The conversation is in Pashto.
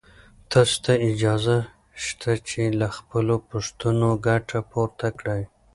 تاسو ته اجازه شته چې له خپلو پوښتنو ګټه پورته کړئ.